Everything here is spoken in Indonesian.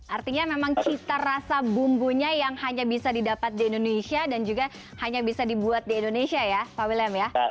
artinya memang cita rasa bumbunya yang hanya bisa didapat di indonesia dan juga hanya bisa dibuat di indonesia ya pak william ya